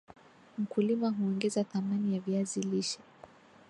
mkulima huongeza thamani ya viazi lishe